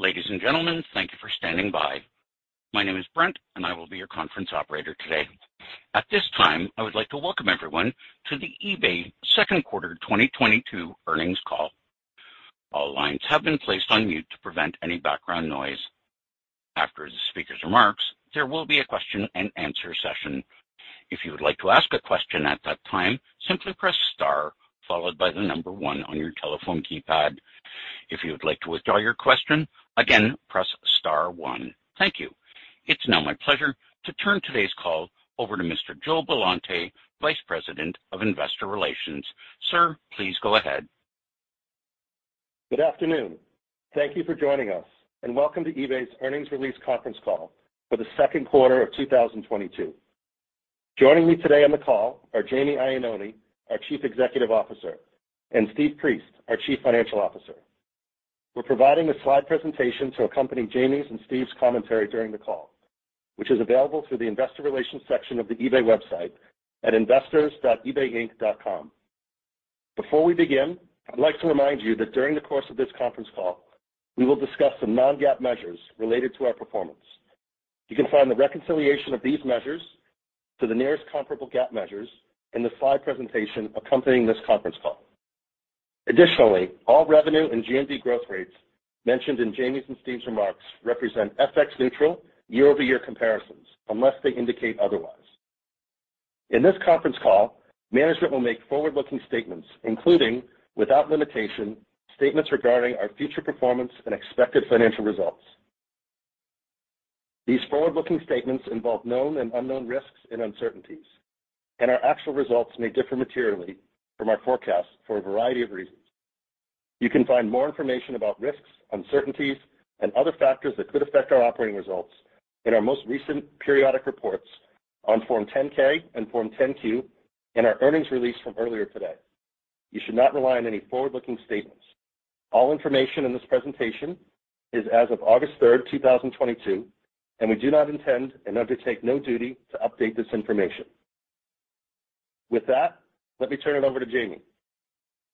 Ladies and gentlemen, thank you for standing by. My name is Brent, and I will be your conference operator today. At this time, I would like to welcome everyone to the eBay second quarter 2022 earnings call. All lines have been placed on mute to prevent any background noise. After the speaker's remarks, there will be a question-and-answer session. If you would like to ask a question at that time, simply press star followed by the number one on your telephone keypad. If you would like to withdraw your question, again, press star one. Thank you. It's now my pleasure to turn today's call over to Mr. Joe Billante, Vice President of Investor Relations. Sir, please go ahead. Good afternoon. Thank you for joining us, and welcome to eBay's earnings release conference call for the second quarter of 2022. Joining me today on the call are Jamie Iannone, our Chief Executive Officer, and Steve Priest, our Chief Financial Officer. We're providing a slide presentation to accompany Jamie's and Steve's commentary during the call, which is available through the investor relations section of the eBay website at investors.ebayinc.com. Before we begin, I'd like to remind you that during the course of this conference call, we will discuss some non-GAAP measures related to our performance. You can find the reconciliation of these measures to the nearest comparable GAAP measures in the slide presentation accompanying this conference call. Additionally, all revenue and GMV growth rates mentioned in Jamie's and Steve's remarks represent FX neutral year-over-year comparisons, unless they indicate otherwise. In this conference call, management will make forward-looking statements, including, without limitation, statements regarding our future performance and expected financial results. These forward-looking statements involve known and unknown risks and uncertainties, and our actual results may differ materially from our forecasts for a variety of reasons. You can find more information about risks, uncertainties, and other factors that could affect our operating results in our most recent periodic reports on Form 10-K and Form 10-Q in our earnings release from earlier today. You should not rely on any forward-looking statements. All information in this presentation is as of August 3rd, 2022, and we do not intend and undertake no duty to update this information. With that, let me turn it over to Jamie.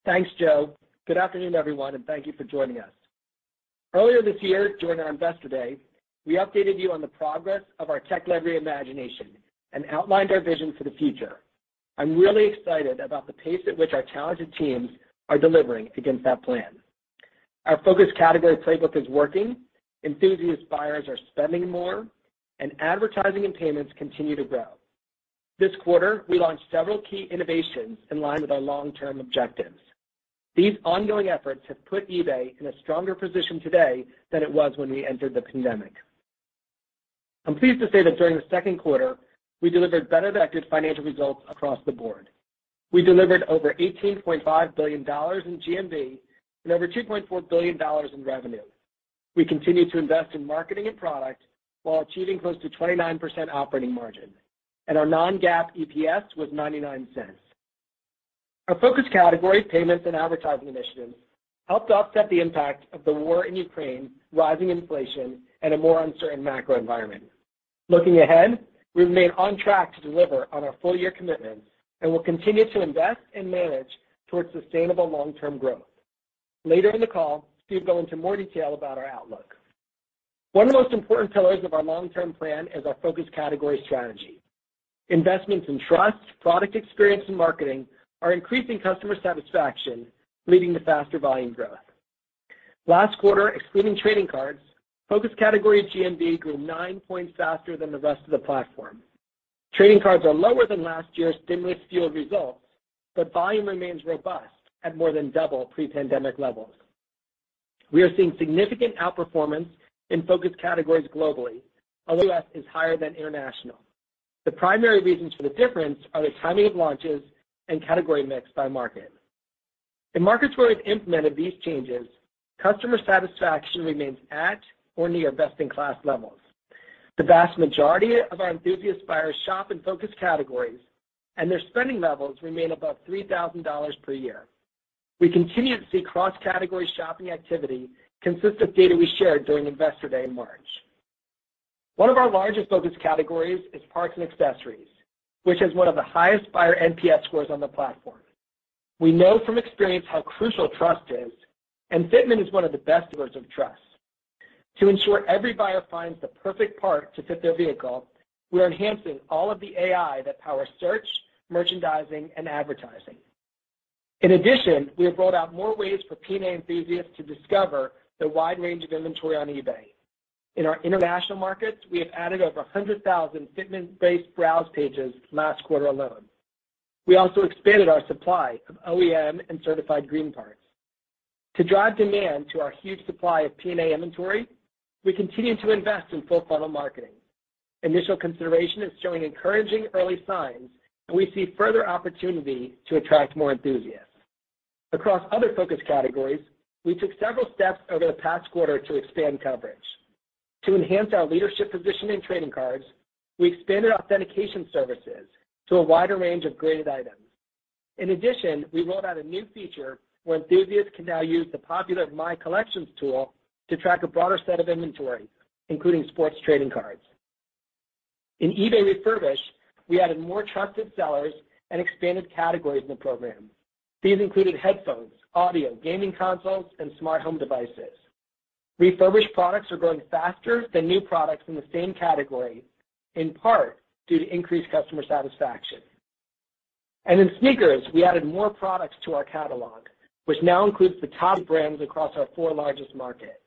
Thanks, Joe. Good afternoon, everyone, and thank you for joining us. Earlier this year, during our Investor Day, we updated you on the progress of our tech-led reimagination and outlined our vision for the future. I'm really excited about the pace at which our talented teams are delivering against that plan. Our focus category playbook is working, enthusiast buyers are spending more, and advertising and payments continue to grow. This quarter, we launched several key innovations in line with our long-term objectives. These ongoing efforts have put eBay in a stronger position today than it was when we entered the pandemic. I'm pleased to say that during the second quarter, we delivered better-than-expected financial results across the board. We delivered over $18.5 billion in GMV and over $2.4 billion in revenue. We continued to invest in marketing and product while achieving close to 29% operating margin, and our non-GAAP EPS was $0.99. Our focus categories, payments, and advertising initiatives helped to offset the impact of the war in Ukraine, rising inflation, and a more uncertain macro environment. Looking ahead, we remain on track to deliver on our full-year commitments, and we'll continue to invest and manage towards sustainable long-term growth. Later in the call, Steve will go into more detail about our outlook. One of the most important pillars of our long-term plan is our focus category strategy. Investments in trust, product experience, and marketing are increasing customer satisfaction, leading to faster volume growth. Last quarter, excluding trading cards, focus category GMV grew 9 points faster than the rest of the platform. Trading cards are lower than last year's stimulus-fueled results, but volume remains robust at more than double pre-pandemic levels. We are seeing significant outperformance in focus categories globally, although U.S. is higher than international. The primary reasons for the difference are the timing of launches and category mix by market. In markets where we've implemented these changes, customer satisfaction remains at or near best-in-class levels. The vast majority of our enthusiast buyers shop in focus categories, and their spending levels remain above $3,000 per year. We continue to see cross-category shopping activity consistent with data we shared during Investor Day in March. One of our largest focus categories is parts and accessories, which has one of the highest buyer NPS scores on the platform. We know from experience how crucial trust is, and fitment is one of the best builders of trust. To ensure every buyer finds the perfect part to fit their vehicle, we are enhancing all of the AI that power search, merchandising, and advertising. In addition, we have rolled out more ways for P&A enthusiasts to discover the wide range of inventory on eBay. In our international markets, we have added over 100,000 fitment-based browse pages last quarter alone. We also expanded our supply of OEM and certified green parts. To drive demand to our huge supply of P&A inventory, we continue to invest in full-funnel marketing. Initial consideration is showing encouraging early signs, and we see further opportunity to attract more enthusiasts. Across other focus categories, we took several steps over the past quarter to expand coverage. To enhance our leadership position in trading cards, we expanded authentication services to a wider range of graded items. In addition, we rolled out a new feature where enthusiasts can now use the popular My Collection tool to track a broader set of inventory, including sports trading cards. In eBay Refurbished, we added more trusted sellers and expanded categories in the program. These included headphones, audio, gaming consoles, and smart home devices. Refurbished products are growing faster than new products in the same category, in part due to increased customer satisfaction. In sneakers, we added more products to our catalog, which now includes the top brands across our four largest markets.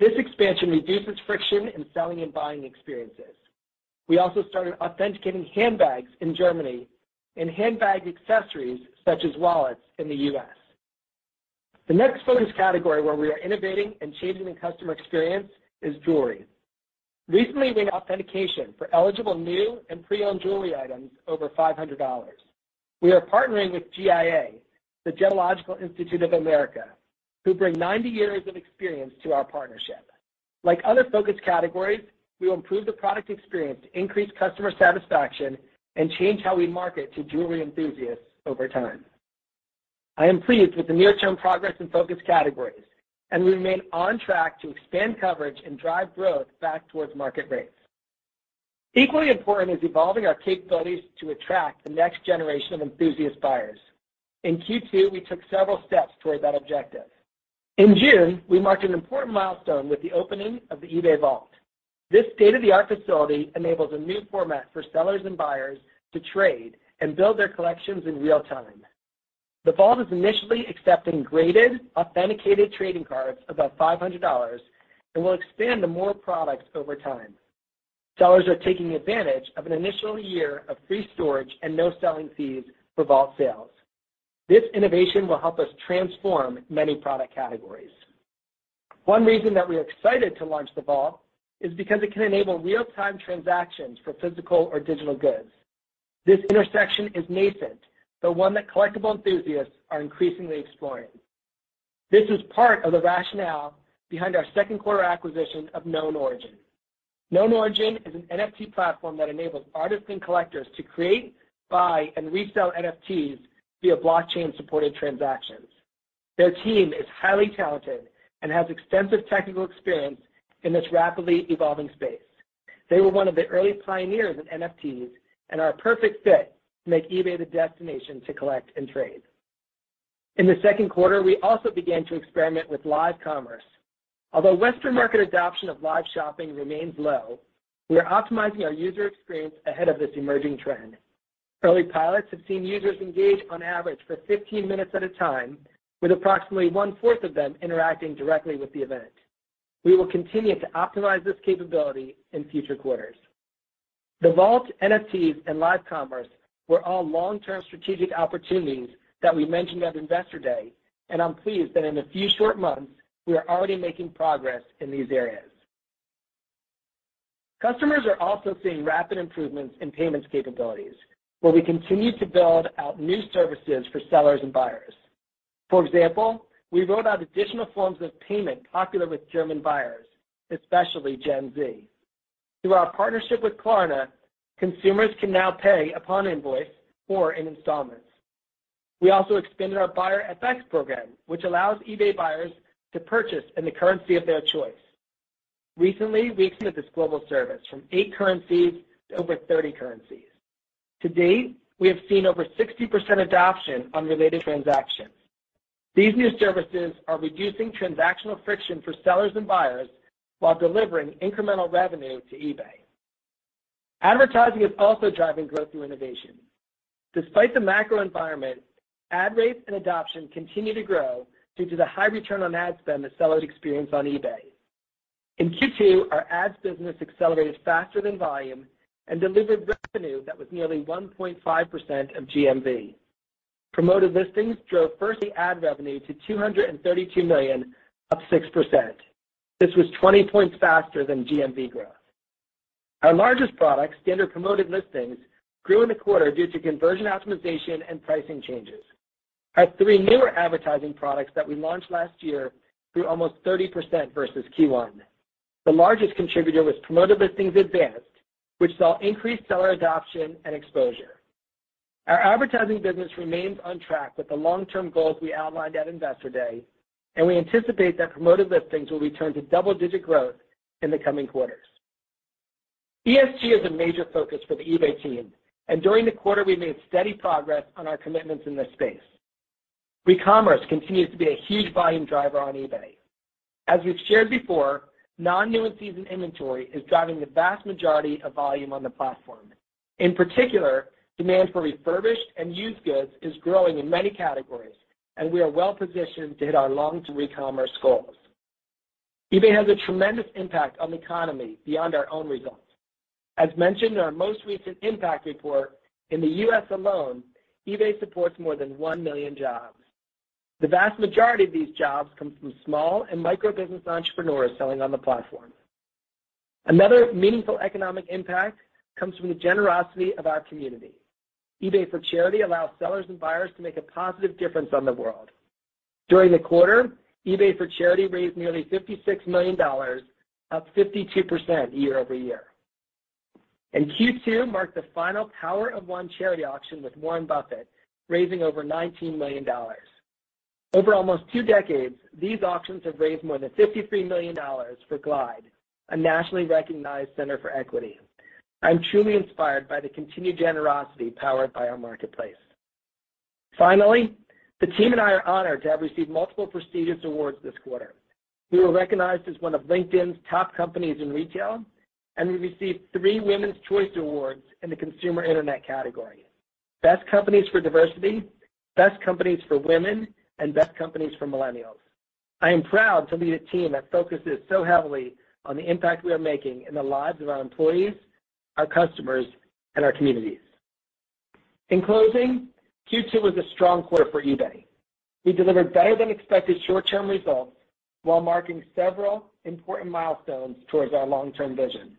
This expansion reduces friction in selling and buying experiences. We also started authenticating handbags in Germany and handbag accessories such as wallets in the U.S. The next focus category where we are innovating and changing the customer experience is jewelry. Recently, we added authentication for eligible new and pre-owned jewelry items over $500. We are partnering with GIA, the Gemological Institute of America, who bring 90 years of experience to our partnership. Like other focus categories, we will improve the product experience to increase customer satisfaction and change how we market to jewelry enthusiasts over time. I am pleased with the near-term progress in focus categories, and we remain on track to expand coverage and drive growth back towards market rates. Equally important is evolving our capabilities to attract the next generation of enthusiast buyers. In Q2, we took several steps towards that objective. In June, we marked an important milestone with the opening of the eBay Vault. This state-of-the-art facility enables a new format for sellers and buyers to trade and build their collections in real time. The Vault is initially accepting graded, authenticated trading cards above $500 and will expand to more products over time. Sellers are taking advantage of an initial year of free storage and no selling fees for Vault sales. This innovation will help us transform many product categories. One reason that we're excited to launch the Vault is because it can enable real-time transactions for physical or digital goods. This intersection is nascent, but one that collectible enthusiasts are increasingly exploring. This is part of the rationale behind our second quarter acquisition of KnownOrigin. KnownOrigin is an NFT platform that enables artists and collectors to create, buy, and resell NFTs via blockchain-supported transactions. Their team is highly talented and has extensive technical experience in this rapidly evolving space. They were one of the early pioneers in NFTs and are a perfect fit to make eBay the destination to collect and trade. In the second quarter, we also began to experiment with live commerce. Although Western market adoption of live shopping remains low, we are optimizing our user experience ahead of this emerging trend. Early pilots have seen users engage on average for 15 minutes at a time, with approximately 1/4 of them interacting directly with the event. We will continue to optimize this capability in future quarters. The Vault, NFTs, and live commerce were all long-term strategic opportunities that we mentioned at Investor Day, and I'm pleased that in a few short months, we are already making progress in these areas. Customers are also seeing rapid improvements in payments capabilities, where we continue to build out new services for sellers and buyers. For example, we rolled out additional forms of payment popular with German buyers, especially Gen Z. Through our partnership with Klarna, consumers can now pay upon invoice or in installments. We also expanded our Buyer FX program, which allows eBay buyers to purchase in the currency of their choice. Recently, we expanded this global service from eight currencies to over 30 currencies. To date, we have seen over 60% adoption on related transactions. These new services are reducing transactional friction for sellers and buyers while delivering incremental revenue to eBay. Advertising is also driving growth through innovation. Despite the macro environment, ad rates and adoption continue to grow due to the high return on ad spend that sellers experience on eBay. In Q2, our ads business accelerated faster than volume and delivered revenue that was nearly 1.5% of GMV. Promoted Listings drove firstly ad revenue to $232 million, up 6%. This was 20 points faster than GMV growth. Our largest product, Promoted Listings Standard, grew in the quarter due to conversion optimization and pricing changes. Our three newer advertising products that we launched last year grew almost 30% versus Q1. The largest contributor was Promoted Listings Advanced, which saw increased seller adoption and exposure. Our advertising business remains on track with the long-term goals we outlined at Investor Day, and we anticipate that Promoted Listings will return to double-digit growth in the coming quarters. ESG is a major focus for the eBay team, and during the quarter, we made steady progress on our commitments in this space. Recommerce continues to be a huge volume driver on eBay. As we've shared before, non-new and seasoned inventory is driving the vast majority of volume on the platform. In particular, demand for refurbished and used goods is growing in many categories, and we are well-positioned to hit our long-term ecommerce goals. eBay has a tremendous impact on the economy beyond our own results. As mentioned in our most recent impact report, in the U.S. alone, eBay supports more than 1 million jobs. The vast majority of these jobs come from small and micro-business entrepreneurs selling on the platform. Another meaningful economic impact comes from the generosity of our community. eBay for Charity allows sellers and buyers to make a positive difference in the world. During the quarter, eBay for Charity raised nearly $56 million, up 52% year-over-year. Q2 marked the final Power of One charity auction with Warren Buffett, raising over $19 million. Over almost two decades, these auctions have raised more than $53 million for GLIDE, a nationally recognized center for equity. I'm truly inspired by the continued generosity powered by our marketplace. Finally, the team and I are honored to have received multiple prestigious awards this quarter. We were recognized as one of LinkedIn's top companies in retail, and we received three Women's Choice Awards in the consumer internet category. Best Companies for Diversity, Best Companies for Women, and Best Companies for Millennials. I am proud to lead a team that focuses so heavily on the impact we are making in the lives of our employees, our customers, and our communities. In closing, Q2 was a strong quarter for eBay. We delivered better-than-expected short-term results while marking several important milestones toward our long-term vision.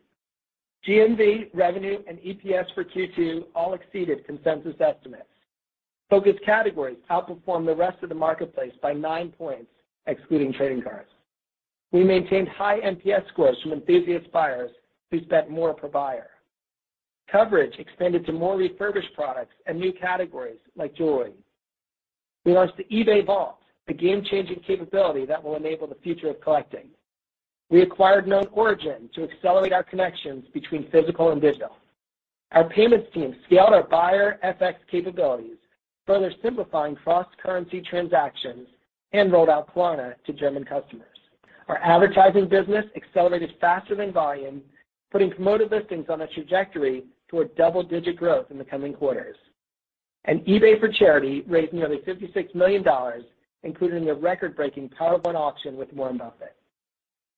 GMV, revenue, and EPS for Q2 all exceeded consensus estimates. Focused categories outperformed the rest of the marketplace by 9 points, excluding trading cards. We maintained high NPS scores from enthusiast buyers who spent more per buyer. Coverage expanded to more refurbished products and new categories like jewelry. We launched the eBay Vault, a game-changing capability that will enable the future of collecting. We acquired KnownOrigin to accelerate our connections between physical and digital. Our payments team scaled our Buyer FX capabilities, further simplifying cross-currency transactions and rolled out Klarna to German customers. Our advertising business accelerated faster than volume, putting Promoted Listings on a trajectory toward double-digit growth in the coming quarters. eBay for Charity raised nearly $56 million, including a record-breaking Power of One auction with Warren Buffett.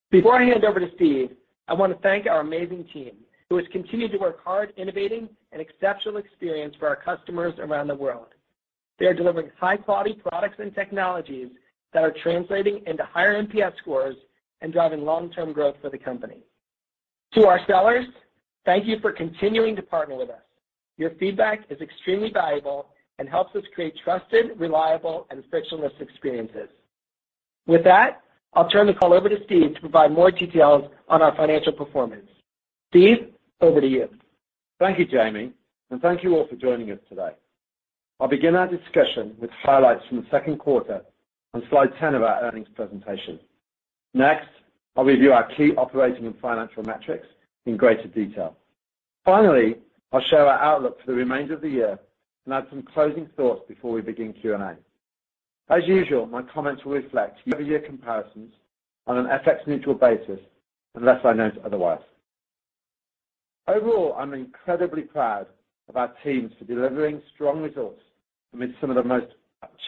Before I hand over to Steve, I want to thank our amazing team who has continued to work hard, innovating an exceptional experience for our customers around the world. They are delivering high-quality products and technologies that are translating into higher NPS scores and driving long-term growth for the company. To our sellers, thank you for continuing to partner with us. Your feedback is extremely valuable and helps us create trusted, reliable, and frictionless experiences. With that, I'll turn the call over to Steve to provide more details on our financial performance. Steve, over to you. Thank you, Jamie, and thank you all for joining us today. I'll begin our discussion with highlights from the second quarter on slide 10 of our earnings presentation. Next, I'll review our key operating and financial metrics in greater detail. Finally, I'll share our outlook for the remainder of the year and add some closing thoughts before we begin Q&A. As usual, my comments will reflect year-over-year comparisons on an FX neutral basis unless I note otherwise. Overall, I'm incredibly proud of our teams for delivering strong results amidst some of the most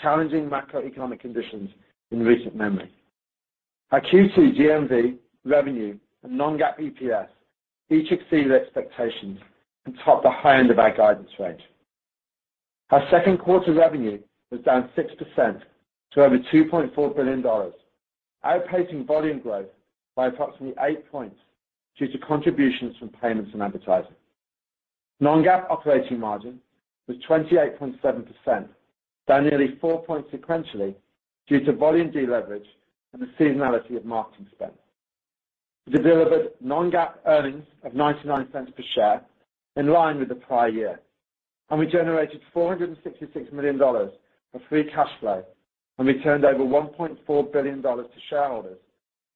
challenging macroeconomic conditions in recent memory. Our Q2 GMV, revenue, and non-GAAP EPS each exceeded expectations and topped the high end of our guidance range. Our second quarter revenue was down 6% to over $2.4 billion, outpacing volume growth by approximately 8 points due to contributions from payments and advertising. Non-GAAP operating margin was 28.7%, down nearly 4 points sequentially due to volume deleverage and the seasonality of marketing spend. We delivered non-GAAP earnings of $0.99 per share in line with the prior year, and we generated $466 million of free cash flow, and we turned over $1.4 billion to shareholders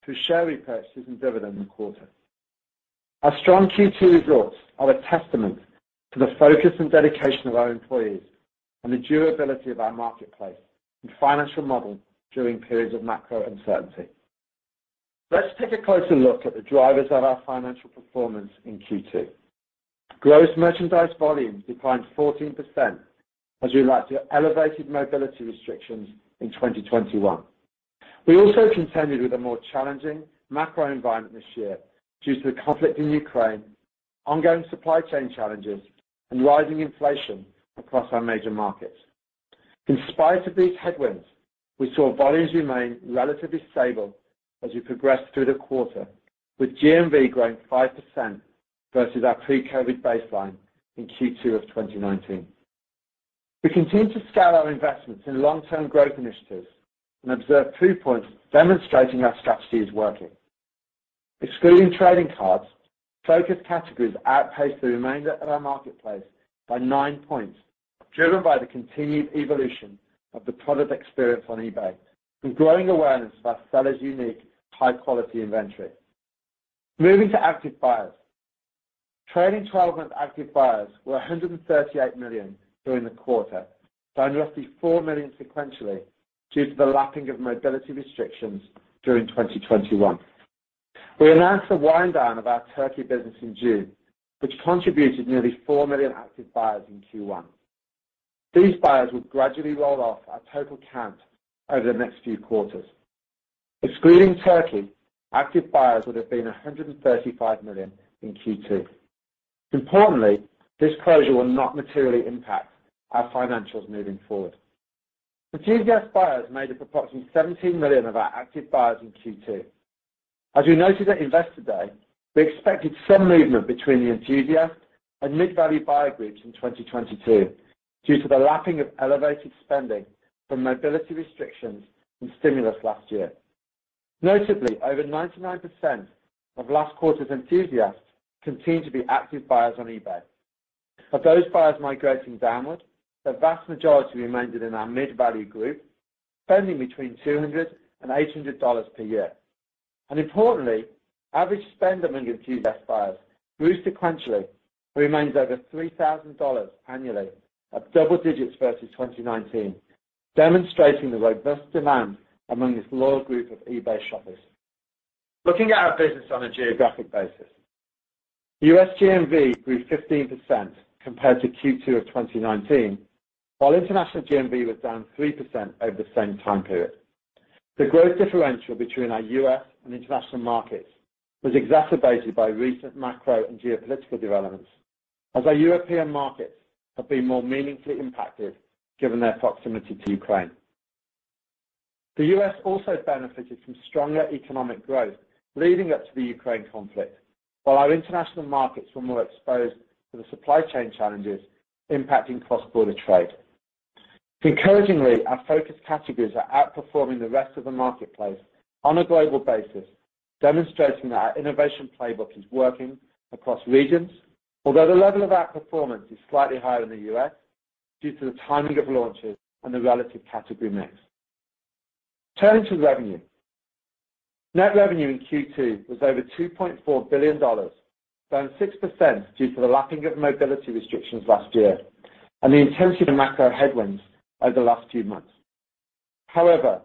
through share repurchases and dividends in the quarter. Our strong Q2 results are a testament to the focus and dedication of our employees and the durability of our marketplace and financial model during periods of macro uncertainty. Let's take a closer look at the drivers of our financial performance in Q2. Gross merchandise volume declined 14% as we lapped your elevated mobility restrictions in 2021. We also contended with a more challenging macro environment this year due to the conflict in Ukraine, ongoing supply chain challenges, and rising inflation across our major markets. In spite of these headwinds, we saw volumes remain relatively stable as we progressed through the quarter, with GMV growing 5% versus our pre-COVID baseline in Q2 of 2019. We continue to scale our investments in long-term growth initiatives and observe 2 points demonstrating our strategy is working. Excluding trading cards, focused categories outpaced the remainder of our marketplace by 9 points, driven by the continued evolution of the product experience on eBay and growing awareness of our sellers' unique high-quality inventory. Moving to active buyers. Trailing 12-month active buyers were 138 million during the quarter, down roughly 4 million sequentially due to the lapping of mobility restrictions during 2021. We announced the wind down of our Turkey business in June, which contributed nearly 4 million active buyers in Q1. These buyers will gradually roll off our total count over the next few quarters. Excluding Turkey, active buyers would have been 135 million in Q2. Importantly, this closure will not materially impact our financials moving forward. Enthusiast buyers made up approximately 17 million of our active buyers in Q2. As we noted at Investor Day, we expected some movement between the enthusiast and mid-value buyer groups in 2022 due to the lapping of elevated spending from mobility restrictions and stimulus last year. Notably, over 99% of last quarter's enthusiasts continue to be active buyers on eBay. Of those buyers migrating downward, the vast majority remained in our mid-value group, spending between $200 and $800 per year. Importantly, average spend among enthusiast buyers grew sequentially and remains over $3,000 annually at double digits versus 2019, demonstrating the robust demand among this loyal group of eBay shoppers. Looking at our business on a geographic basis. U.S. GMV grew 15% compared to Q2 of 2019, while international GMV was down 3% over the same time period. The growth differential between our U.S and international markets was exacerbated by recent macro and geopolitical developments, as our European markets have been more meaningfully impacted given their proximity to Ukraine. The U.S. also benefited from stronger economic growth leading up to the Ukraine conflict, while our international markets were more exposed to the supply chain challenges impacting cross-border trade. Encouragingly, our focus categories are outperforming the rest of the marketplace on a global basis, demonstrating that our innovation playbook is working across regions. Although the level of outperformance is slightly higher in the U.S. due to the timing of launches and the relative category mix. Turning to revenue. Net revenue in Q2 was over $2.4 billion, down 6% due to the lapping of mobility restrictions last year and the intensity of macro headwinds over the last few months. However,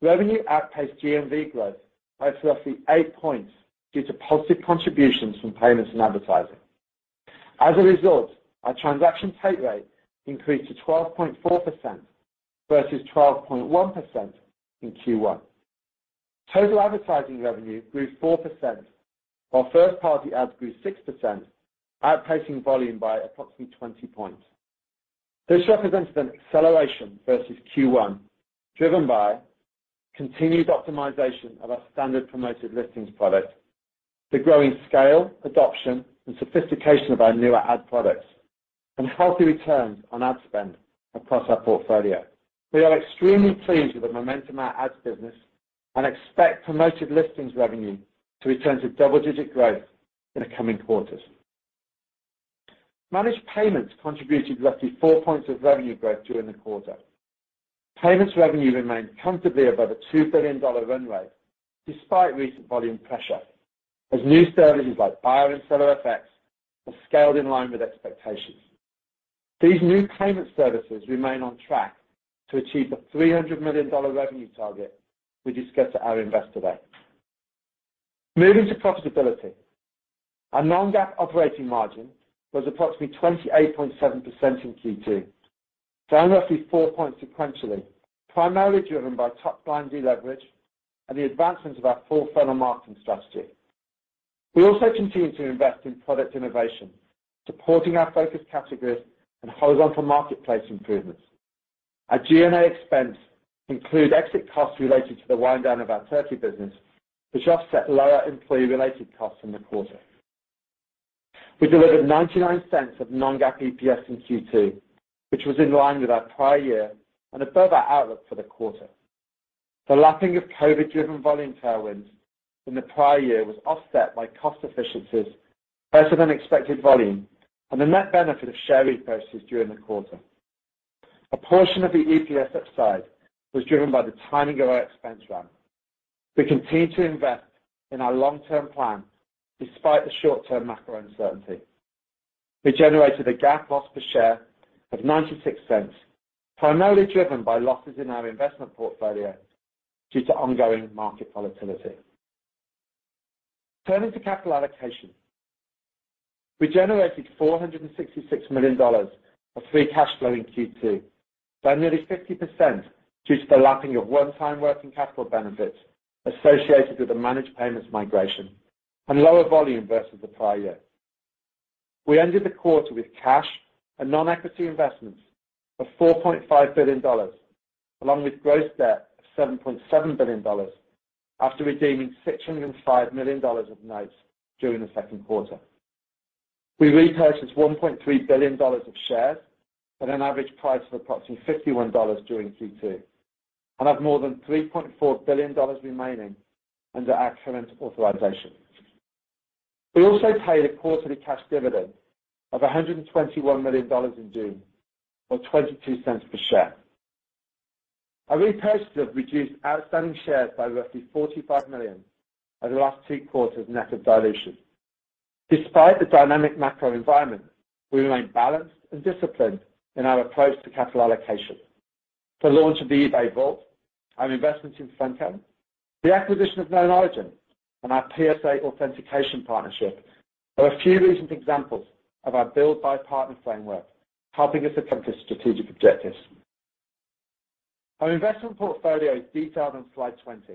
revenue outpaced GMV growth by roughly 8 points due to positive contributions from payments and advertising. As a result, our transaction take rate increased to 12.4% versus 12.1% in Q1. Total advertising revenue grew 4%, while first-party ads grew 6%, outpacing volume by approximately 20 points. This represents an acceleration versus Q1, driven by continued optimization of our standard Promoted Listings product, the growing scale, adoption, and sophistication of our newer ad products, and healthy returns on ad spend across our portfolio. We are extremely pleased with the momentum of our ads business and expect Promoted Listings revenue to return to double-digit growth in the coming quarters. Managed payments contributed roughly 4 points of revenue growth during the quarter. Payments revenue remained comfortably above a $2 billion run rate despite recent volume pressure, as new services like buyer and seller FX have scaled in line with expectations. These new payment services remain on track to achieve the $300 million revenue target we discussed at our Investor Day. Moving to profitability. Our non-GAAP operating margin was approximately 28.7% in Q2, down roughly 4 points sequentially, primarily driven by top-line deleverage and the advancement of our full funnel marketing strategy. We also continue to invest in product innovation, supporting our focus categories and horizontal marketplace improvements. Our G&A expenses include exit costs related to the wind down of our Turkey business, which offset lower employee-related costs in the quarter. We delivered $0.99 non-GAAP EPS in Q2, which was in line with our prior year and above our outlook for the quarter. The lapping of COVID-driven volume tailwinds in the prior year was offset by cost efficiencies, better-than-expected volume, and the net benefit of share repurchases during the quarter. A portion of the EPS upside was driven by the timing of our expense run. We continue to invest in our long-term plan despite the short-term macro uncertainty. We generated a GAAP loss per share of $0.96, primarily driven by losses in our investment portfolio due to ongoing market volatility. Turning to capital allocation. We generated $466 million of free cash flow in Q2, down nearly 50% due to the lapping of one-time working capital benefits associated with the managed payments migration and lower volume versus the prior year. We ended the quarter with cash and non-equity investments of $4.5 billion, along with gross debt of $7.7 billion after redeeming $605 million of notes during the second quarter. We repurchased $1.3 billion of shares at an average price of approximately $51 during Q2 and have more than $3.4 billion remaining under our current authorization. We also paid a quarterly cash dividend of $121 million in June, or $0.22 per share. Our repurchase has reduced outstanding shares by roughly 45 million over the last two quarters net of dilution. Despite the dynamic macro environment, we remain balanced and disciplined in our approach to capital allocation. The launch of the eBay Vault, our investments in Funko, the acquisition of KnownOrigin, and our PSA authentication partnership are a few recent examples of our build-buy-partner framework, helping us accomplish strategic objectives. Our investment portfolio is detailed on slide 20.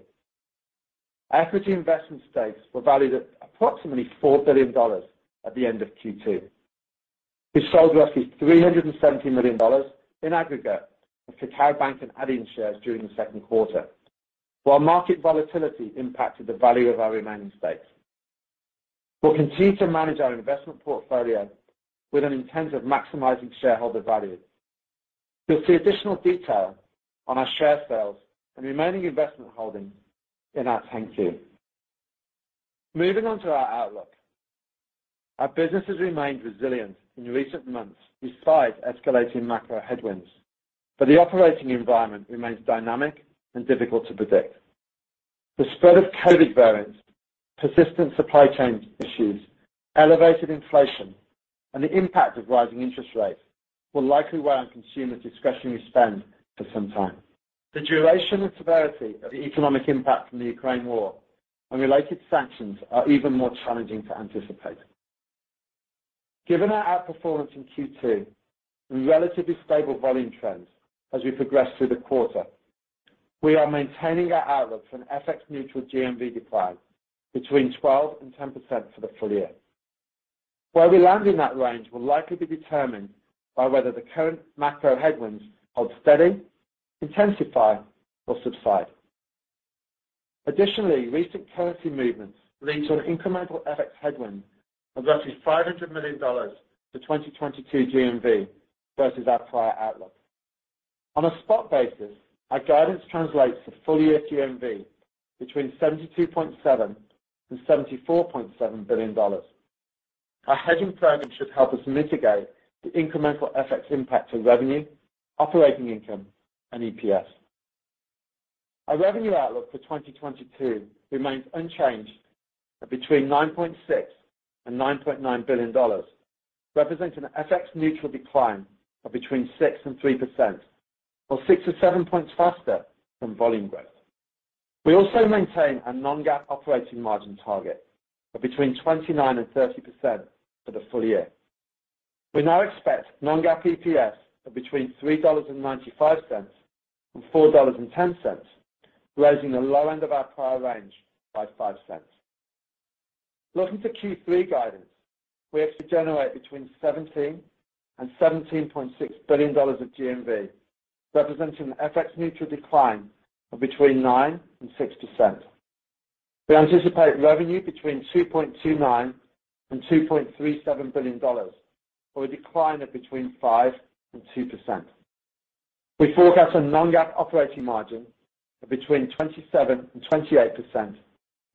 Our equity investment stakes were valued at approximately $4 billion at the end of Q2. We sold roughly $370 million in aggregate of Kakao Bank and Adyen shares during the second quarter, while market volatility impacted the value of our remaining stakes. We'll continue to manage our investment portfolio with an intent of maximizing shareholder value. You'll see additional detail on our share sales and remaining investment holdings in our 10-Q. Moving on to our outlook. Our business has remained resilient in recent months despite escalating macro headwinds, but the operating environment remains dynamic and difficult to predict. The spread of COVID variants, persistent supply chain issues, elevated inflation, and the impact of rising interest rates will likely weigh on consumer discretionary spend for some time. The duration and severity of the economic impact from the Ukraine war and related sanctions are even more challenging to anticipate. Given our outperformance in Q2 and relatively stable volume trends as we progress through the quarter, we are maintaining our outlook for an FX-neutral GMV decline between 12% and 10% for the full year. Where we land in that range will likely be determined by whether the current macro headwinds hold steady, intensify, or subside. Additionally, recent currency movements lead to an incremental FX headwind of roughly $500 million to 2022 GMV versus our prior outlook. On a spot basis, our guidance translates to full-year GMV between $72.7 billion and $74.7 billion. Our hedging program should help us mitigate the incremental FX impact to revenue, operating income, and EPS. Our revenue outlook for 2022 remains unchanged at between $9.6 billion and $9.9 billion, representing an FX-neutral decline of between 3% and 6%, or 6-7 points faster than volume growth. We also maintain a non-GAAP operating margin target of between 29% and 30% for the full year. We now expect non-GAAP EPS of between $3.95 and $4.10, raising the low end of our prior range by $0.05. Looking to Q3 guidance, we expect to generate between $17 billion and $17.6 billion of GMV, representing an FX-neutral decline of between 9% and 6%. We anticipate revenue between $2.29 billion and $2.37 billion, or a decline of between 5% and 2%. We forecast a non-GAAP operating margin of between 27% and 28%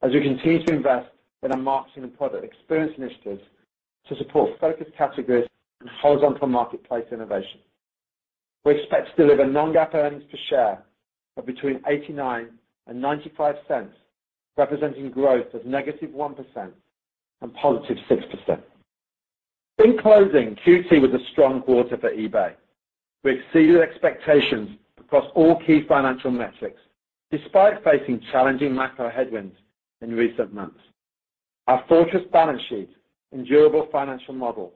as we continue to invest in our marketing and product experience initiatives to support focused categories and horizontal marketplace innovation. We expect to deliver non-GAAP earnings per share of between $0.89 and $0.95, representing growth of -1% and +6%. In closing, Q2 was a strong quarter for eBay. We exceeded expectations across all key financial metrics despite facing challenging macro headwinds in recent months. Our fortress balance sheet and durable financial model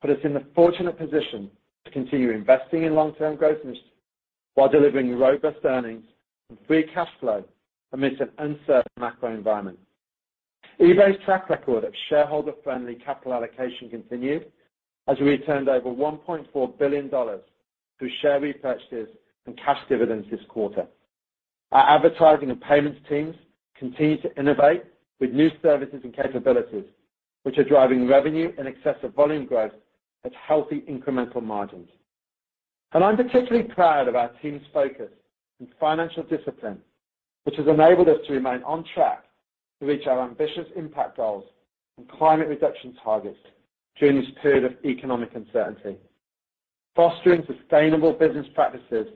put us in the fortunate position to continue investing in long-term growth initiatives while delivering robust earnings and free cash flow amidst an uncertain macro environment. eBay's track record of shareholder-friendly capital allocation continued as we returned over $1.4 billion through share repurchases and cash dividends this quarter. Our advertising and payments teams continue to innovate with new services and capabilities, which are driving revenue in excess of volume growth at healthy incremental margins. I'm particularly proud of our team's focus and financial discipline, which has enabled us to remain on track to reach our ambitious impact goals and climate reduction targets during this period of economic uncertainty. Fostering sustainable business practices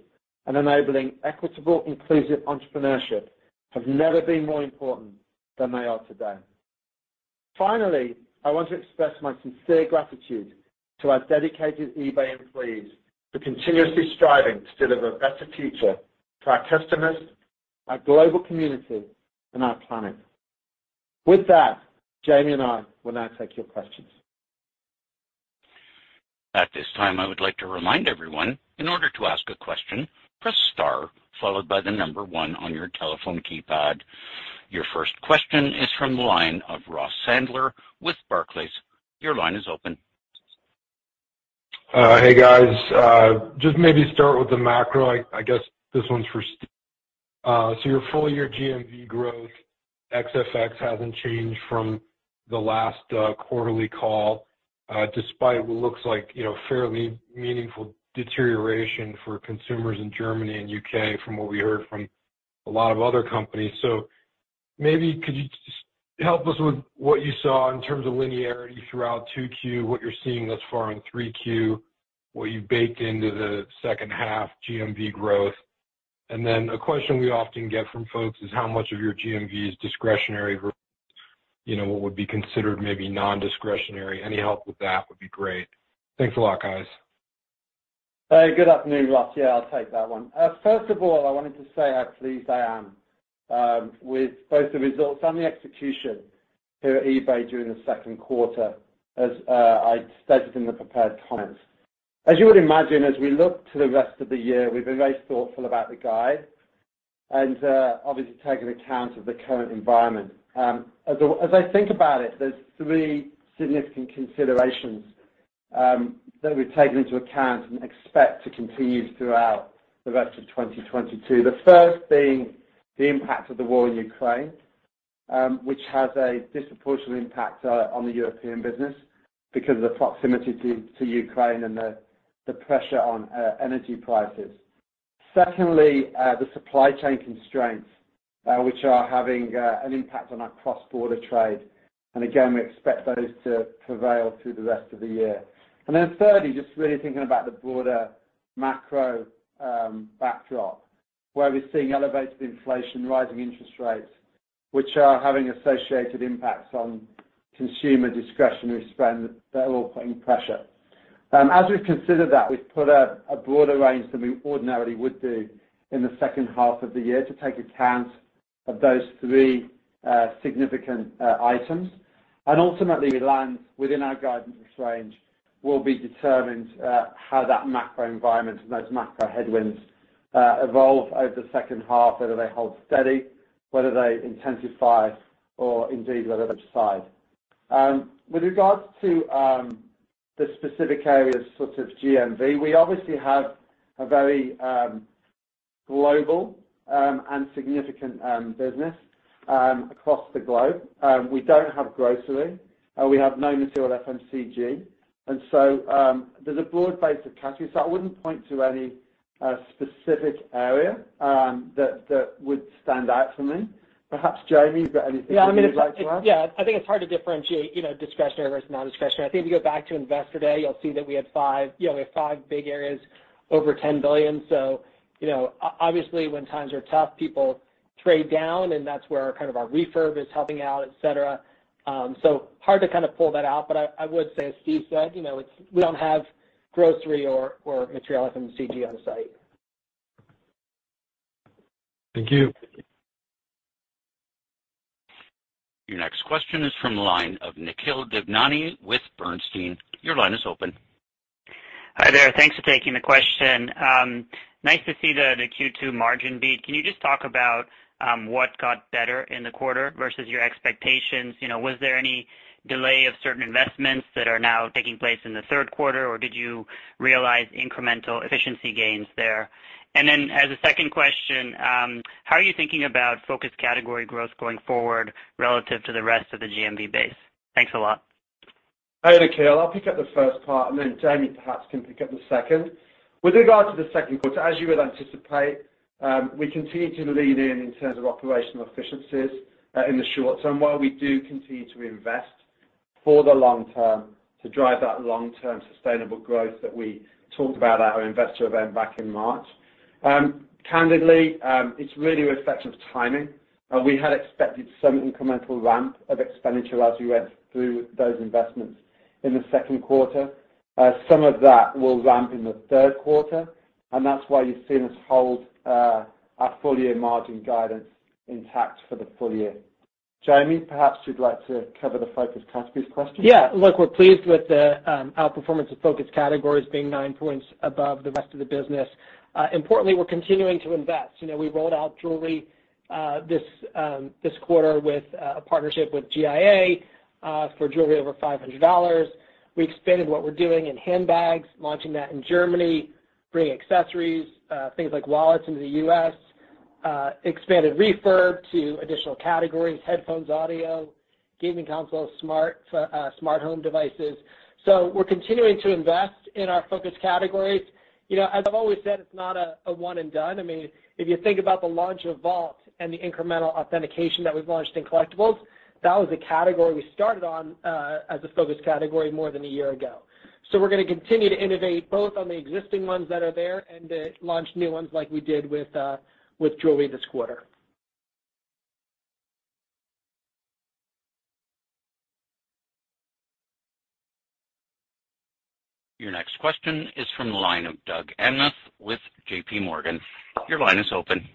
and enabling equitable, inclusive entrepreneurship have never been more important than they are today. Finally, I want to express my sincere gratitude to our dedicated eBay employees for continuously striving to deliver a better future to our customers, our global community, and our planet. With that, Jamie and I will now take your questions. At this time, I would like to remind everyone, in order to ask a question, press star followed by the number one on your telephone keypad. Your first question is from the line of Ross Sandler with Barclays. Your line is open. Hey, guys. Just maybe start with the macro. I guess this one's for Steve. Your full-year GMV growth ex FX hasn't changed from the last quarterly call, despite what looks like, you know, fairly meaningful deterioration for consumers in Germany and U.K. from what we heard from a lot of other companies. Maybe could you just help us with what you saw in terms of linearity throughout 2Q, what you're seeing thus far in 3Q, what you've baked into the second half GMV growth? Then a question we often get from folks is how much of your GMV is discretionary versus, you know, what would be considered maybe nondiscretionary. Any help with that would be great. Thanks a lot, guys. Hey, good afternoon, Ross. Yeah, I'll take that one. First of all, I wanted to say how pleased I am with both the results and the execution here at eBay during the second quarter, as I stated in the prepared comments. As you would imagine, as we look to the rest of the year, we've been very thoughtful about the guide and obviously take into account of the current environment. As I think about it, there's three significant considerations that we've taken into account and expect to continue throughout the rest of 2022. The first being the impact of the war in Ukraine, which has a disproportionate impact on the European business because of the proximity to Ukraine and the pressure on energy prices. Secondly, the supply chain constraints, which are having an impact on our cross-border trade. Again, we expect those to prevail through the rest of the year. Then thirdly, just really thinking about the broader macro backdrop, where we're seeing elevated inflation, rising interest rates, which are having associated impacts on consumer discretionary spend. They're all putting pressure. As we've considered that, we've put a broader range than we ordinarily would do in the second half of the year to take account of those three significant items. Ultimately, reliance within our guidance range will be determined how that macro environment and those macro headwinds evolve over the second half, whether they hold steady, whether they intensify or indeed whether they subside. With regards to the specific areas, sort of GMV, we obviously have a very global and significant business across the globe. We don't have grocery. We have no material FMCG. There's a broad base of categories. I wouldn't point to any specific area that would stand out for me. Perhaps Jamie, you've got anything you would like to add? Yeah. I mean, it's hard to differentiate, you know, discretionary versus non-discretionary. I think if you go back to Investor Day, you'll see that we have five big areas over $10 billion. Obviously, when times are tough, people trade down, and that's where our refurb is helping out, et cetera. So hard to pull that out, but I would say, as Steve said, you know, it's, we don't have grocery or material FMCG on site. Thank you. Your next question is from the line of Nikhil Devnani with Bernstein. Your line is open. Hi, there. Thanks for taking the question. Nice to see the Q2 margin beat. Can you just talk about what got better in the quarter versus your expectations? You know, was there any delay of certain investments that are now taking place in the third quarter, or did you realize incremental efficiency gains there? As a second question, how are you thinking about focus category growth going forward relative to the rest of the GMV base? Thanks a lot. Hi, Nikhil. I'll pick up the first part, and then Jamie perhaps can pick up the second. With regard to the second quarter, as you would anticipate, we continue to lean in terms of operational efficiencies, in the short term, while we do continue to invest for the long term to drive that long-term sustainable growth that we talked about at our investor event back in March. Candidly, it's really a reflection of timing. We had expected some incremental ramp of expenditure as we went through those investments in the second quarter. Some of that will ramp in the third quarter, and that's why you've seen us hold our full year margin guidance intact for the full year. Jamie, perhaps you'd like to cover the focus categories question. Yeah. Look, we're pleased with the outperformance of focus categories being 9 points above the rest of the business. Importantly, we're continuing to invest. You know, we rolled out jewelry this quarter with a partnership with GIA for jewelry over $500. We expanded what we're doing in handbags, launching that in Germany, bringing accessories, things like wallets into the US, expanded refurb to additional categories, headphones, audio, gaming consoles, smart home devices. We're continuing to invest in our focus categories. You know, as I've always said, it's not a one and done. I mean, if you think about the launch of Vault and the incremental authentication that we've launched in collectibles, that was a category we started on as a focus category more than a year ago. We're gonna continue to innovate both on the existing ones that are there and launch new ones like we did with jewelry this quarter. Your next question is from the line of Doug Anmuth with JPMorgan. Your line is open.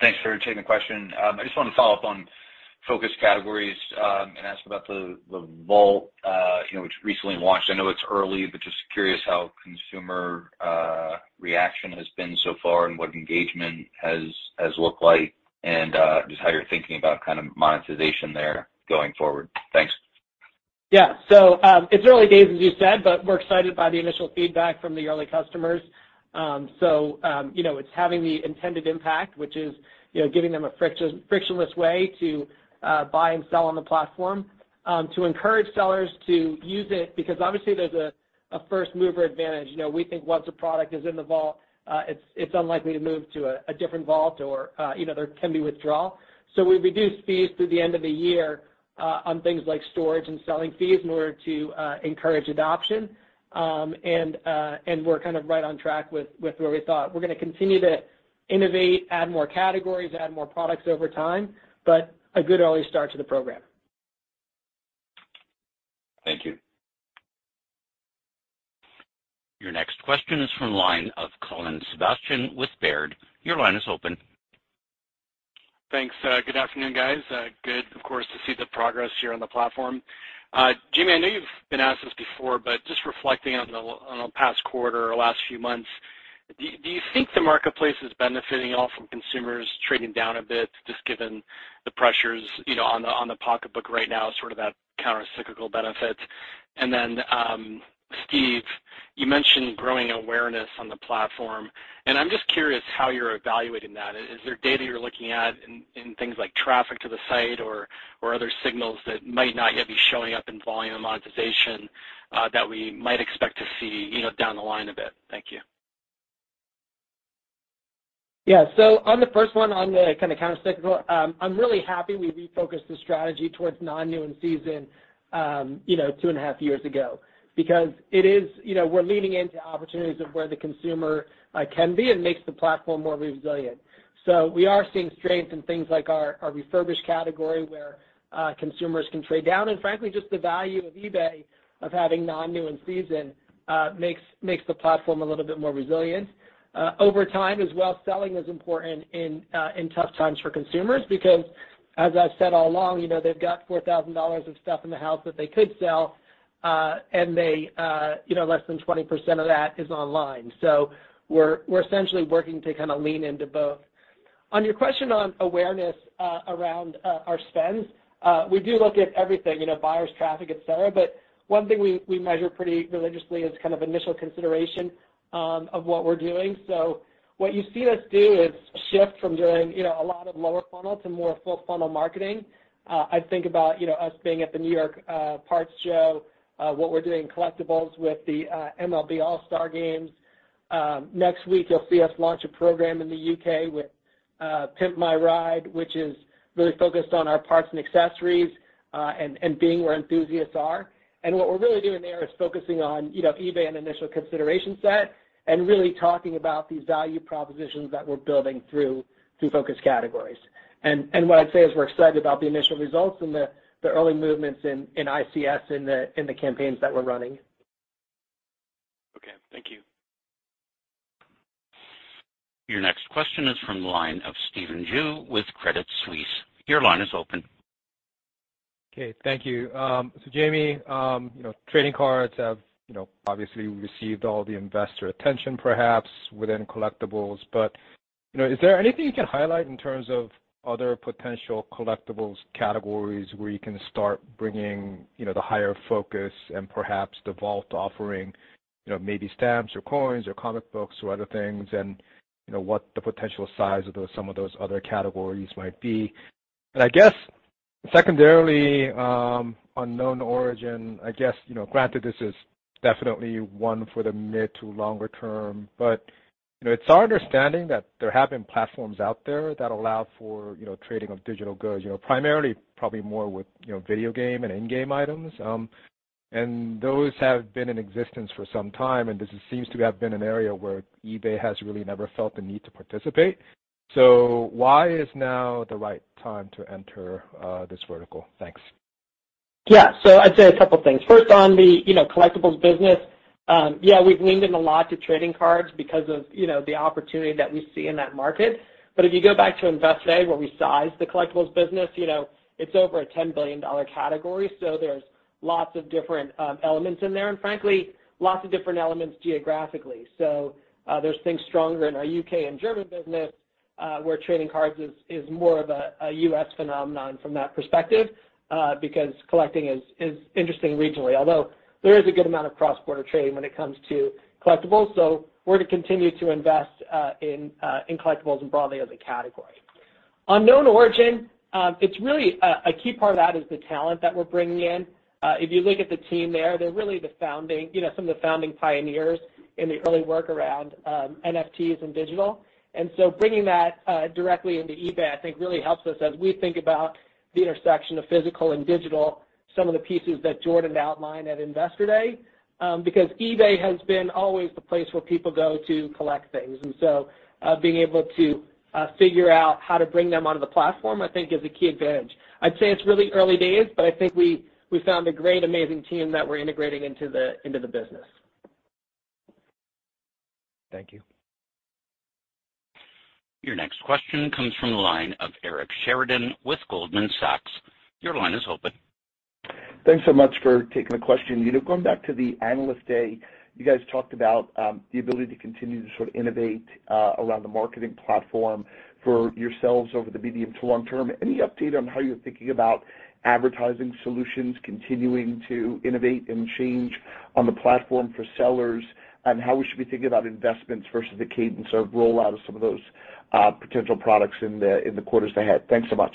Thanks for taking the question. I just wanna follow up on focus categories and ask about the Vault, which recently launched. I know it's early, but just curious how consumer reaction has been so far and what engagement has looked like and just how you're thinking about kind of monetization there going forward. Thanks. Yeah. It's early days, as you said, but we're excited by the initial feedback from the early customers. You know, it's having the intended impact, which is, you know, giving them a frictionless way to buy and sell on the platform. To encourage sellers to use it, because obviously there's a first mover advantage. You know, we think once a product is in the vault, it's unlikely to move to a different vault or, you know, there can be withdrawal. We reduced fees through the end of the year on things like storage and selling fees in order to encourage adoption. We're kind of right on track with where we thought. We're gonna continue to innovate, add more categories, add more products over time, but a good early start to the program. Thank you. Your next question is from the line of Colin Sebastian with Baird. Your line is open. Thanks. Good afternoon, guys. Good, of course, to see the progress here on the platform. Jamie, I know you've been asked this before, but just reflecting on the past quarter or last few months, do you think the marketplace is benefiting at all from consumers trading down a bit, just given the pressures, you know, on the pocketbook right now, sort of that countercyclical benefit? Steve, you mentioned growing awareness on the platform, and I'm just curious how you're evaluating that. Is there data you're looking at in things like traffic to the site or other signals that might not yet be showing up in volume and monetization, that we might expect to see, you know, down the line a bit? Thank you. Yeah. On the first one, on the kind of countercyclical, I'm really happy we refocused the strategy towards non-new and seasoned, you know, two and a half years ago. Because it is. You know, we're leaning into opportunities of where the consumer can be and makes the platform more resilient. We are seeing strength in things like our refurbished category, where consumers can trade down. And frankly, just the value of eBay of having non-new and seasoned makes the platform a little bit more resilient. Over time as well, selling is important in tough times for consumers because as I've said all along, you know, they've got $4,000 of stuff in the house that they could sell, and you know, less than 20% of that is online. We're essentially working to kind of lean into both. On your question on awareness around our spends, we do look at everything, you know, buyers, traffic, et cetera. One thing we measure pretty religiously is kind of initial consideration of what we're doing. What you see us do is shift from doing, you know, a lot of lower funnel to more full funnel marketing. I think about, you know, us being at the New York Auto Parts Show, what we're doing in Collectibles with the MLB All-Star Game. Next week you'll see us launch a program in the U.K. with Pimp My Ride, which is really focused on our parts and accessories, and being where enthusiasts are. What we're really doing there is focusing on, you know, eBay and initial consideration set and really talking about the value propositions that we're building through focus categories. What I'd say is we're excited about the initial results and the early movements in ICS in the campaigns that we're running. Okay. Thank you. Your next question is from the line of Stephen Ju with Credit Suisse. Your line is open. Okay. Thank you. Jamie, you know, trading cards have, you know, obviously received all the investor attention perhaps within Collectibles. You know, is there anything you can highlight in terms of other potential Collectibles categories where you can start bringing, you know, the higher focus and perhaps the Vault offering, you know, maybe stamps or coins or comic books or other things, and, you know, what the potential size of those, some of those other categories might be? I guess secondarily, on KnownOrigin, I guess, you know, granted this is definitely one for the mid to longer term, but, you know, it's our understanding that there have been platforms out there that allow for, you know, trading of digital goods, you know, primarily probably more with, you know, video game and in-game items. Those have been in existence for some time, and this seems to have been an area where eBay has really never felt the need to participate. Why is now the right time to enter this vertical? Thanks. Yeah. I'd say a couple things. First, on the, you know, Collectibles business, yeah, we've leaned in a lot to trading cards because of, you know, the opportunity that we see in that market. But if you go back to Investor Day where we sized the Collectibles business, you know, it's over a $10 billion category. There's lots of different elements in there, and frankly, lots of different elements geographically. There's things stronger in our U.K. and German business, where trading cards is more of a U.S. phenomenon from that perspective, because collecting is interesting regionally. Although there is a good amount of cross-border trade when it comes to Collectibles, we're to continue to invest in Collectibles and broadly as a category. On KnownOrigin, it's really a key part of that is the talent that we're bringing in. If you look at the team there, they're really the founding, you know, some of the founding pioneers in the early work around NFTs and digital. Bringing that directly into eBay, I think really helps us as we think about the intersection of physical and digital, some of the pieces that Jordan outlined at Investor Day. Because eBay has been always the place where people go to collect things. Being able to figure out how to bring them onto the platform, I think is a key advantage. I'd say it's really early days, but I think we found a great, amazing team that we're integrating into the business. Thank you. Your next question comes from the line of Eric Sheridan with Goldman Sachs. Your line is open. Thanks so much for taking the question. You know, going back to the Analyst Day, you guys talked about the ability to continue to sort of innovate around the marketing platform for yourselves over the medium to long term. Any update on how you're thinking about advertising solutions continuing to innovate and change on the platform for sellers, and how we should be thinking about investments versus the cadence of rollout of some of those potential products in the quarters ahead? Thanks so much.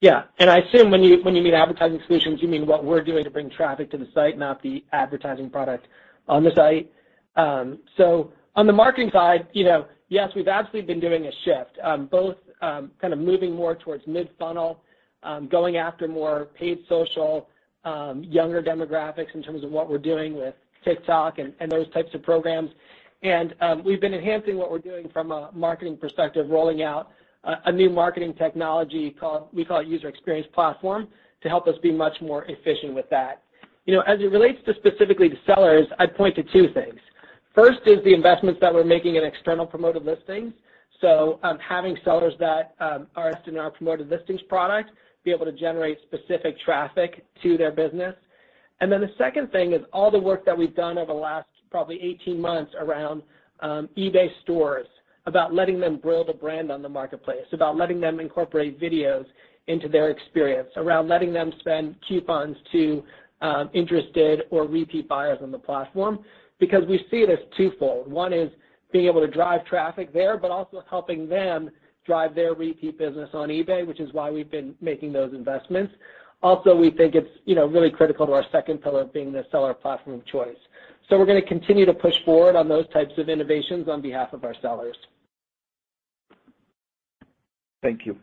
Yeah. I assume when you mean advertising solutions, you mean what we're doing to bring traffic to the site, not the advertising product on the site. On the marketing side, you know, yes, we've absolutely been doing a shift, both, kind of moving more towards mid-funnel, going after more paid social, younger demographics in terms of what we're doing with TikTok and those types of programs. We've been enhancing what we're doing from a marketing perspective, rolling out a new marketing technology called User Experience Platform to help us be much more efficient with that. You know, as it relates specifically to sellers, I'd point to two things. First is the investments that we're making in external Promoted Listings. Having sellers that are listed in our Promoted Listings product be able to generate specific traffic to their business. Then the second thing is all the work that we've done over the last probably 18 months around eBay Stores, about letting them build a brand on the marketplace, about letting them incorporate videos into their experience, around letting them send coupons to interested or repeat buyers on the platform. Because we see it as twofold. One is being able to drive traffic there, but also helping them drive their repeat business on eBay, which is why we've been making those investments. Also, we think it's, you know, really critical to our second pillar of being the seller platform of choice. We're gonna continue to push forward on those types of innovations on behalf of our sellers. Thank you.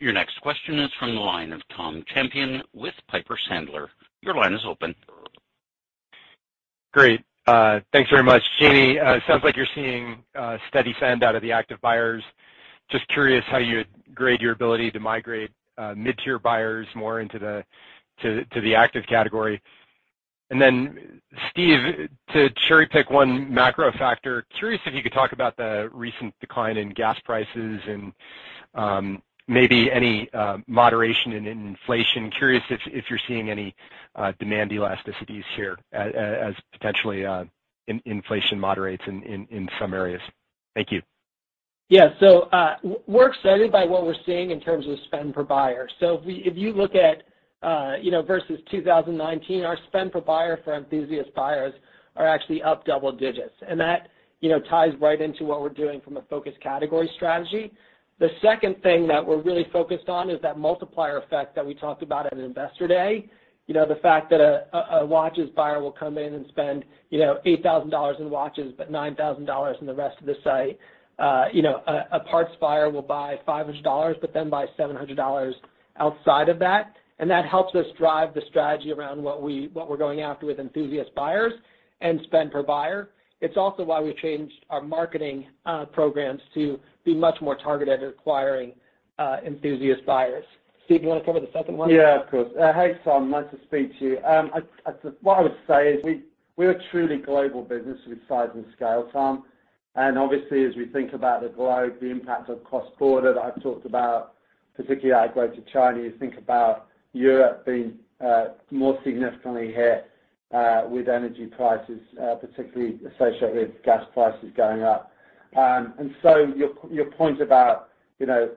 Your next question is from the line of Tom Champion with Piper Sandler. Your line is open. Great. Thanks very much. Jamie, sounds like you're seeing steady send out of the active buyers. Just curious how you'd grade your ability to migrate mid-tier buyers more into the active category. Steve, to cherry-pick one macro factor, curious if you could talk about the recent decline in gas prices and maybe any moderation in inflation. Curious if you're seeing any demand elasticities here as potentially inflation moderates in some areas. Thank you. Yeah. We're excited by what we're seeing in terms of spend per buyer. If you look at, you know, versus 2019, our spend per buyer for enthusiast buyers are actually up double digits. That, you know, ties right into what we're doing from a focus category strategy. The second thing that we're really focused on is that multiplier effect that we talked about at Investor Day. You know, the fact that a watches buyer will come in and spend, you know, $8,000 in watches, but $9,000 in the rest of the site. You know, a parts buyer will buy $500, but then buy $700 outside of that. That helps us drive the strategy around what we're going after with enthusiast buyers and spend per buyer. It's also why we changed our marketing programs to be much more targeted at acquiring enthusiast buyers. Steve, you wanna cover the second one? Yeah, of course. Hi, Tom. Nice to speak to you. What I would say is we're a truly global business with size and scale, Tom. Obviously, as we think about the globe, the impact of cross-border that I've talked about, particularly our growth to China, you think about Europe being more significantly hit with energy prices, particularly associated with gas prices going up. Your point about, you know,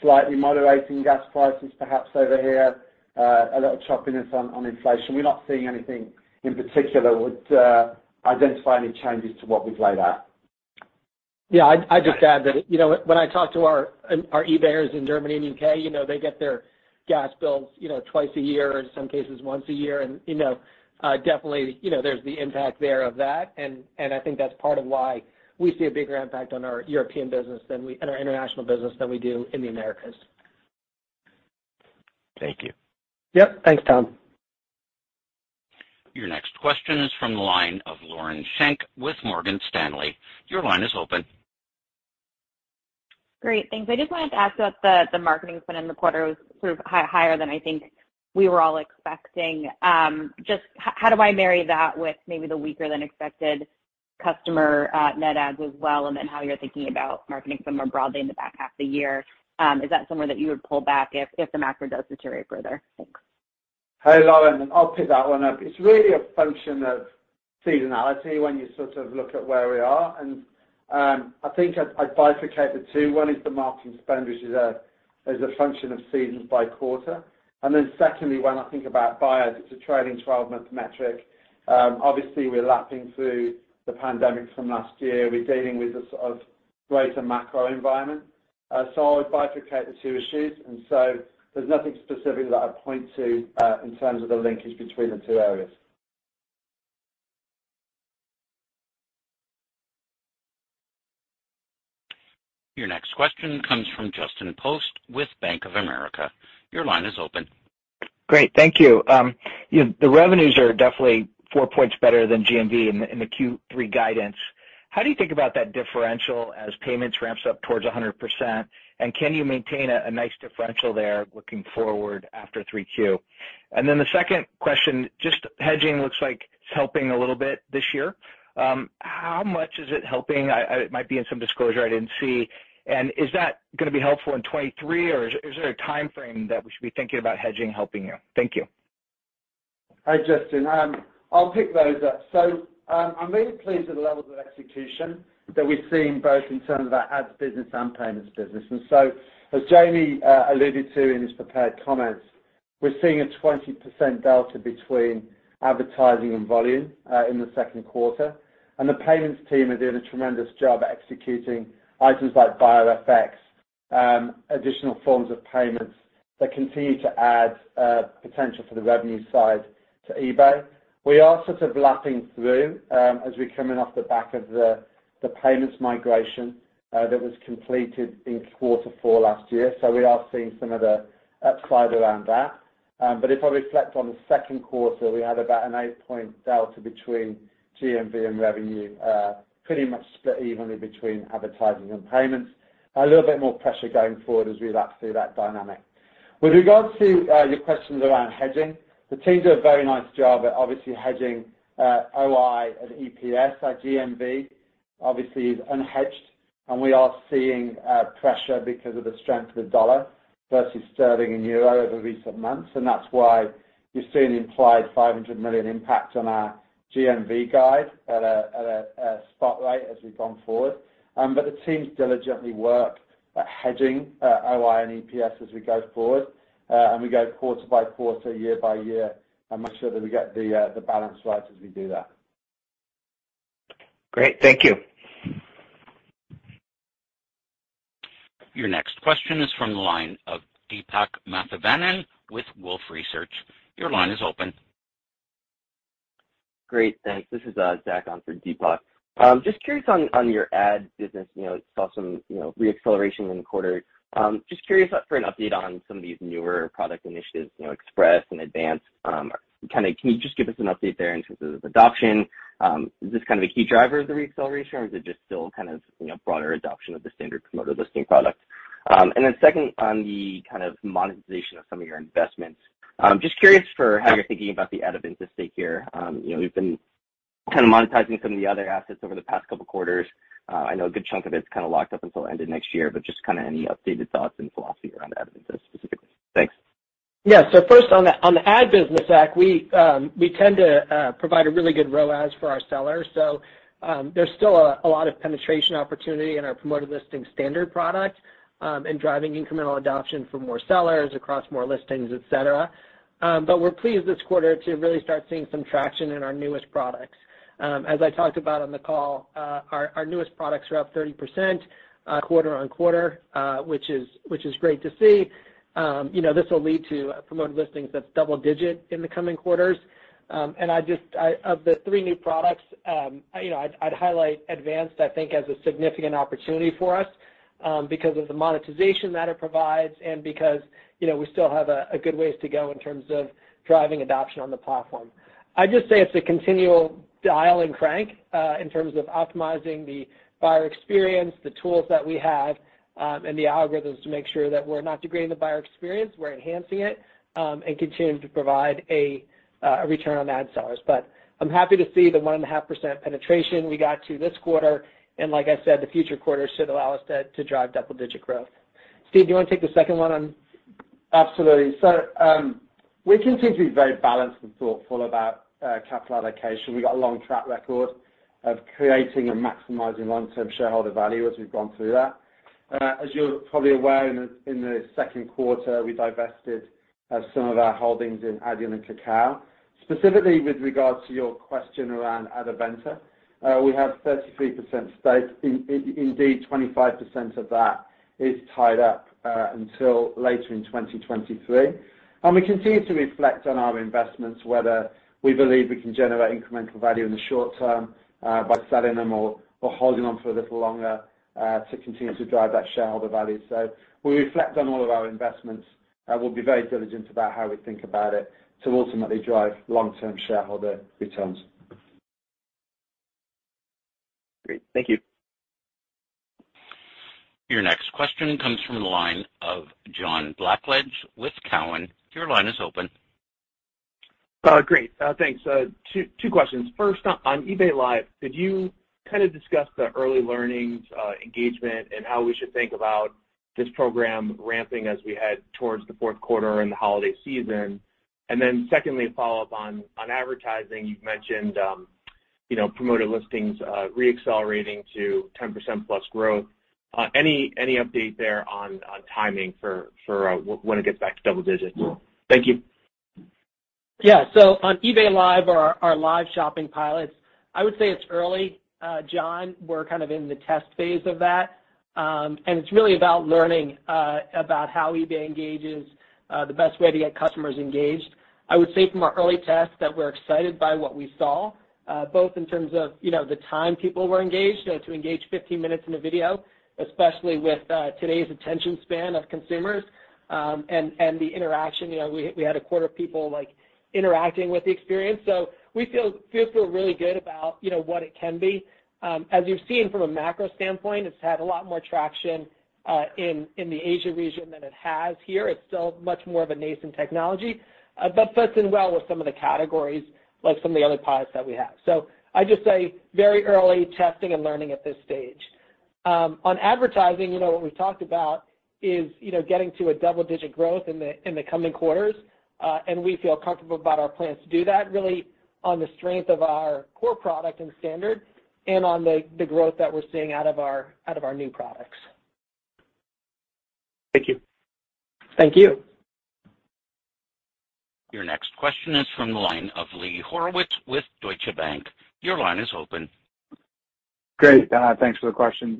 slightly moderating gas prices perhaps over here, a little choppiness on inflation, we're not seeing anything in particular would identify any changes to what we've laid out. Yeah, I'd just add that, you know, when I talk to our eBayers in Germany and U.K., you know, they get their gas bills, you know, twice a year, in some cases once a year. You know, definitely, you know, there's the impact there of that. I think that's part of why we see a bigger impact on our European business and our international business than we do in the Americas. Thank you. Yep. Thanks, Tom. Your next question is from the line of Lauren Schenk with Morgan Stanley. Your line is open. Great. Thanks. I just wanted to ask about the marketing spend in the quarter was sort of higher than I think we were all expecting. Just how do I marry that with maybe the weaker than expected customer net adds as well, and then how you're thinking about marketing spend more broadly in the back half of the year? Is that somewhere that you would pull back if the macro does deteriorate further? Thanks. Hey, Lauren. I'll pick that one up. It's really a function of seasonality when you sort of look at where we are. I think I'd bifurcate the two. One is the marketing spend, which is a function of seasons by quarter. Secondly, when I think about buyers, it's a trailing twelve-month metric. Obviously, we're lapping through the pandemic from last year. We're dealing with a sort of greater macro environment. I would bifurcate the two issues. There's nothing specific that I'd point to, in terms of the linkage between the two areas. Your next question comes from Justin Post with Bank of America. Your line is open. Great. Thank you. You know, the revenues are definitely 4 points better than GMV in the Q3 guidance. How do you think about that differential as payments ramps up towards 100%? And can you maintain a nice differential there looking forward after Q3? Then the second question, just hedging looks like it's helping a little bit this year. How much is it helping? It might be in some disclosure I didn't see. And is that gonna be helpful in 2023, or is there a timeframe that we should be thinking about hedging helping you? Thank you. Hi, Justin. I'll pick those up. I'm really pleased with the levels of execution that we've seen both in terms of our ads business and payments business. As Jamie alluded to in his prepared comments, we're seeing a 20% delta between advertising and volume in the second quarter. The payments team are doing a tremendous job at executing items like Buyer FX, additional forms of payments that continue to add potential for the revenue side to eBay. We are sort of lapping through, as we come in off the back of the payments migration that was completed in quarter four last year. We are seeing some of the upside around that. If I reflect on the second quarter, we had about an 8-point delta between GMV and revenue, pretty much split evenly between advertising and payments. A little bit more pressure going forward as we lap through that dynamic. With regards to your questions around hedging, the teams do a very nice job at obviously hedging OI and EPS at GMV. Obviously is unhedged, and we are seeing pressure because of the strength of the dollar versus sterling and euro over recent months. That's why you're seeing the implied $500 million impact on our GMV guide at a spot rate as we've gone forward. The teams diligently work at hedging OI and EPS as we go forward, and we go quarter by quarter, year by year, and make sure that we get the balance right as we do that. Great. Thank you. Your next question is from the line of Deepak Mathivanan with Wolfe Research. Your line is open. Great. Thanks. This is Zach on for Deepak Mathivanan. Just curious on your ad business, you know, saw some, you know, re-acceleration in the quarter. Just curious for an update on some of these newer product initiatives, you know, Express and Advanced. Kind of can you just give us an update there in terms of adoption? Is this kind of a key driver of the re-acceleration, or is it just still kind of, you know, broader adoption of the standard Promoted Listing product? Second, on the kind of monetization of some of your investments, just curious for how you're thinking about the Adevinta stake here. You know, you've been kind of monetizing some of the other assets over the past couple quarters. I know a good chunk of it's kinda locked up until end of next year, but just kinda any updated thoughts and philosophy around Adevinta specifically. Thanks. First, on the ad business, Zach, we tend to provide a really good ROAS for our sellers. There's still a lot of penetration opportunity in our Promoted Listings Standard product, in driving incremental adoption for more sellers across more listings, et cetera. But we're pleased this quarter to really start seeing some traction in our newest products. As I talked about on the call, our newest products are up 30%, quarter-over-quarter, which is great to see. You know, this will lead to promoted listings that's double-digit in the coming quarters. Of the three new products, you know, I'd highlight Advanced, I think, as a significant opportunity for us, because of the monetization that it provides and because, you know, we still have a good ways to go in terms of driving adoption on the platform. I'd just say it's a continual dial and crank in terms of optimizing the buyer experience, the tools that we have, and the algorithms to make sure that we're not degrading the buyer experience, we're enhancing it, and continuing to provide a return on ad spend. I'm happy to see the 1.5% penetration we got to this quarter. Like I said, the future quarters should allow us to drive double-digit growth. Steve, do you wanna take the second one on? Absolutely. We continue to be very balanced and thoughtful about capital allocation. We got a long track record of creating and maximizing long-term shareholder value as we've gone through that. As you're probably aware, in the second quarter, we divested some of our holdings in Adyen and Kakao. Specifically with regards to your question around Adevinta, we have 33% stake. Indeed, 25% of that is tied up until later in 2023. We continue to reflect on our investments, whether we believe we can generate incremental value in the short term by selling them or holding on for a little longer to continue to drive that shareholder value. We reflect on all of our investments. We'll be very diligent about how we think about it to ultimately drive long-term shareholder returns. Great. Thank you. Your next question comes from the line of John Blackledge with Cowen. Your line is open. Great. Thanks. Two questions. First, on eBay Live, could you kind of discuss the early learnings, engagement, and how we should think about this program ramping as we head towards the fourth quarter and the holiday season? Then secondly, a follow-up on advertising. You've mentioned, you know, Promoted Listings re-accelerating to 10%+ growth. Any update there on timing for when it gets back to double digits? Thank you. Yeah. On eBay Live, our live shopping pilots, I would say it's early, John. We're kind of in the test phase of that. It's really about learning about how eBay engages the best way to get customers engaged. I would say from our early tests that we're excited by what we saw both in terms of, you know, the time people were engaged, you know, to engage 15 minutes in a video, especially with today's attention span of consumers, and the interaction. You know, we had a quarter of people, like, interacting with the experience. So we feel really good about, you know, what it can be. As you've seen from a macro standpoint, it's had a lot more traction in the Asia region than it has here. It's still much more of a nascent technology, but fits in well with some of the categories, like some of the other pilots that we have. I'd just say very early testing and learning at this stage. On advertising, you know, what we've talked about is, you know, getting to a double-digit growth in the coming quarters. We feel comfortable about our plans to do that really on the strength of our core product and standard and on the growth that we're seeing out of our new products. Thank you. Thank you. Your next question is from the line of Lee Horowitz with Deutsche Bank. Your line is open. Great. Thanks for the questions.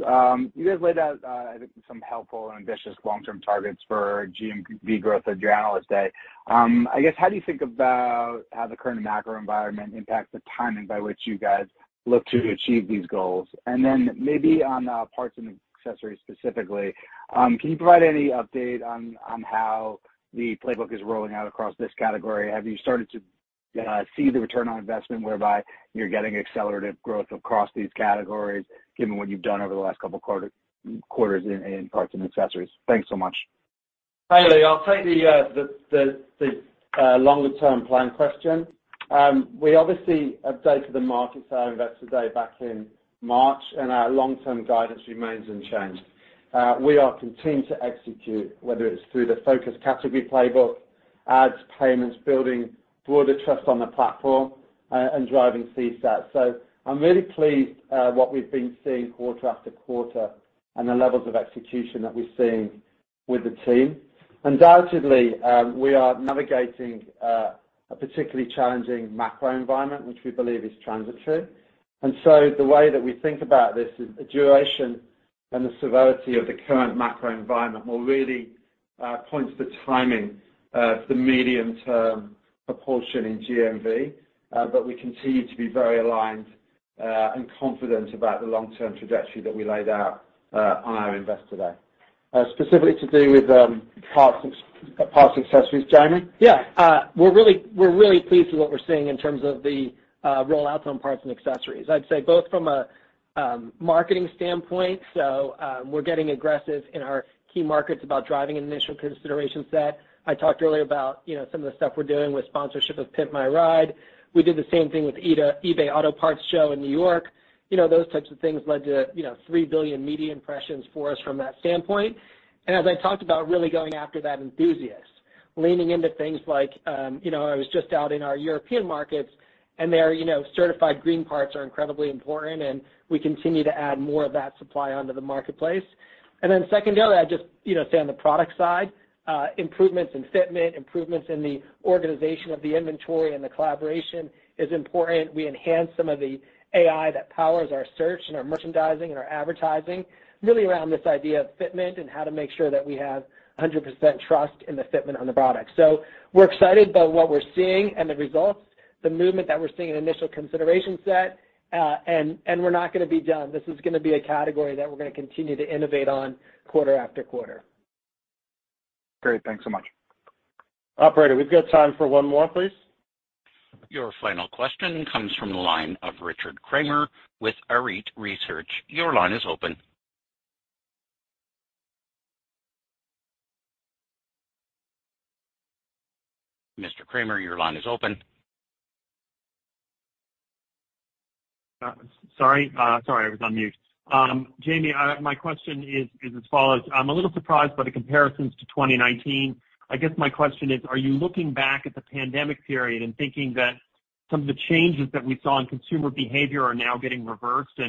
You guys laid out, I think some helpful and ambitious long-term targets for GMV growth at your Analyst Day. I guess, how do you think about how the current macro environment impacts the timing by which you guys look to achieve these goals? Maybe on parts and accessories specifically, can you provide any update on how the playbook is rolling out across this category? Have you started to see the return on investment whereby you're getting accelerative growth across these categories given what you've done over the last couple quarters in parts and accessories? Thanks so much. Hi Lee, I'll take the longer term plan question. We obviously updated the market to our investor day back in March, and our long-term guidance remains unchanged. We are continuing to execute, whether it's through the focus category playbook, ads, payments, building broader trust on the platform, and driving CSAT. I'm really pleased what we've been seeing quarter after quarter and the levels of execution that we're seeing with the team. Undoubtedly, we are navigating a particularly challenging macro environment which we believe is transitory. The way that we think about this is the duration and the severity of the current macro environment will really point to the timing of the medium term proportion in GMV, but we continue to be very aligned and confident about the long-term trajectory that we laid out on our Investor Day. Specifically to do with parts and accessories, Jamie? Yeah. We're really pleased with what we're seeing in terms of the rollouts on parts and accessories. I'd say both from a marketing standpoint, we're getting aggressive in our key markets about driving an initial consideration set. I talked earlier about, you know, some of the stuff we're doing with sponsorship of Pimp My Ride. We did the same thing with the New York Auto Parts Show in New York. You know, those types of things led to, you know, 3 billion media impressions for us from that standpoint. As I talked about really going after that enthusiast, leaning into things like, you know, I was just out in our European markets and their, you know, certified green parts are incredibly important and we continue to add more of that supply onto the marketplace. Secondarily, I'd just, you know, say on the product side, improvements in fitment, improvements in the organization of the inventory and the collaboration is important. We enhance some of the AI that powers our search and our merchandising and our advertising really around this idea of fitment and how to make sure that we have 100% trust in the fitment on the product. We're excited by what we're seeing and the results, the movement that we're seeing in initial consideration set, and we're not gonna be done. This is gonna be a category that we're gonna continue to innovate on quarter after quarter. Great. Thanks so much. Operator, we've got time for one more, please. Your final question comes from the line of Richard Kramer with Arete Research. Your line is open. Mr. Kramer, your line is open. Sorry. Sorry, I was on mute. Jamie, my question is as follows. I'm a little surprised by the comparisons to 2019. I guess my question is, are you looking back at the pandemic period and thinking that some of the changes that we saw in consumer behavior are now getting reversed?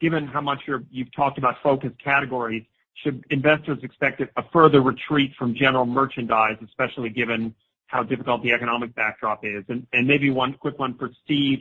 Given how much you've talked about focus categories, should investors expect a further retreat from general merchandise, especially given how difficult the economic backdrop is? Maybe one quick one for Steve.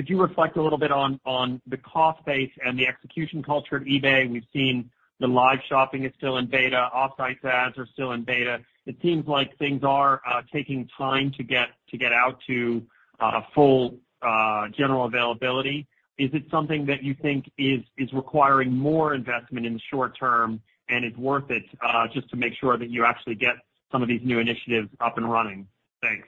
Could you reflect a little bit on the cost base and the execution culture of eBay? We've seen eBay Live is still in beta. Offsite ads are still in beta. It seems like things are taking time to get out to a full general availability. Is it something that you think is requiring more investment in the short term and is worth it, just to make sure that you actually get some of these new initiatives up and running? Thanks.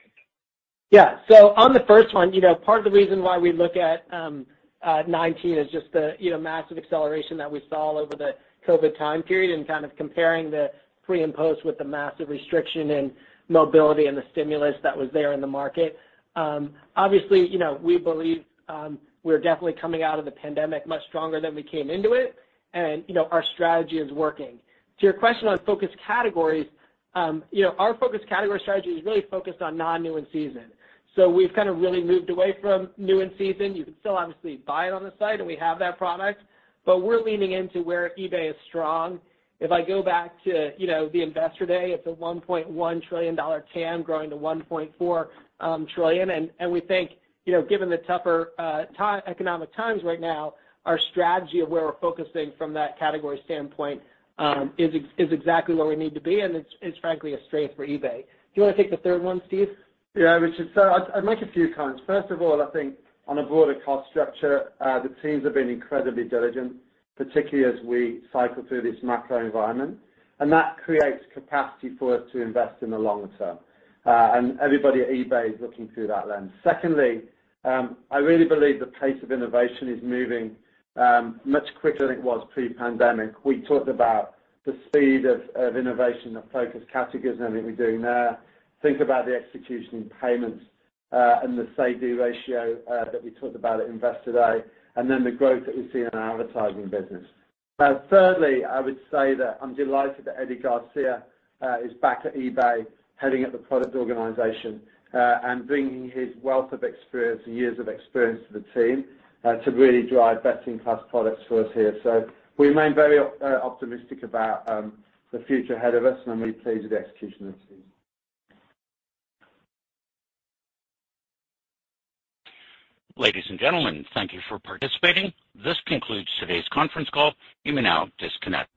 Yeah. On the first one, you know, part of the reason why we look at 2019 is just the massive acceleration that we saw over the COVID time period and kind of comparing the pre and post with the massive restriction in mobility and the stimulus that was there in the market. Obviously, you know, we believe we're definitely coming out of the pandemic much stronger than we came into it. You know, our strategy is working. To your question on focus categories, you know, our focus category strategy is really focused on non-new and seasonal. We've kind of really moved away from new and seasonal. You can still obviously buy it on the site, and we have that product, but we're leaning into where eBay is strong. If I go back to, you know, the Investor Day, it's a $1.1 trillion TAM growing to $1.4 trillion. We think, you know, given the tougher economic times right now, our strategy of where we're focusing from that category standpoint is exactly where we need to be, and it's frankly a strength for eBay. Do you wanna take the third one, Steve? Yeah, Richard. I'd make a few comments. First of all, I think on a broader cost structure, the teams have been incredibly diligent, particularly as we cycle through this macro environment, and that creates capacity for us to invest in the long term. Everybody at eBay is looking through that lens. Secondly, I really believe the pace of innovation is moving much quicker than it was pre-pandemic. We talked about the speed of innovation of focus categories and everything we're doing there. Think about the execution in payments and the say-do ratio that we talked about at Investor Day, and then the growth that we've seen in our advertising business. Thirdly, I would say that I'm delighted that Eddie Garcia is back at eBay, heading up the product organization, and bringing his wealth of experience and years of experience to the team to really drive best-in-class products for us here. We remain very optimistic about the future ahead of us, and I'm really pleased with the execution of the team. Ladies and gentlemen, thank you for participating. This concludes today's conference call. You may now disconnect.